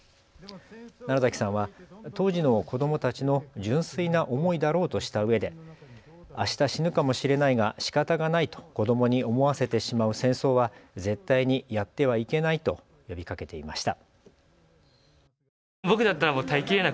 楢崎さんは当時の子どもたちの純粋な思いだろうとしたうえで、あした死ぬかもしれないがしかたがないと子どもに思わせてしまう戦争は絶対にやってはいけないと呼びかけていました。